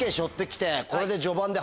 これで。